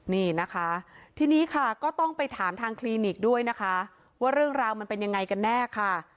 นี่นะคะทีนี้ค่ะก็ต้องไปถามทางคลินิกด้วยนะคะว่าเรื่องราวมันเป็นยังไงกันแน่ค่ะ